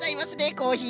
コーヒー！？